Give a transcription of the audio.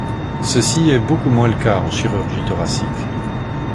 Ceci est beaucoup moins le cas en chirurgie thoracique.